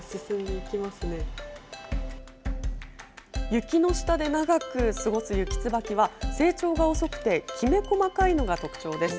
雪の下で長く過ごすユキツバキは、成長が遅くてきめ細かいのが特徴です。